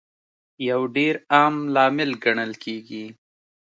یو ډېر عام لامل ګڼل کیږي